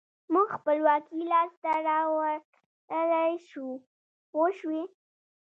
موږ خپلواکي لاسته راوړلای شو پوه شوې!.